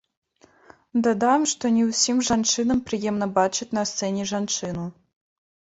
Дадам, што не ўсім жанчынам прыемна бачыць на сцэне жанчыну.